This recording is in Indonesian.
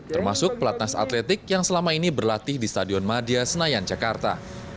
termasuk pelatnas atletik yang selama ini berlatih di stadion madia senayan jakarta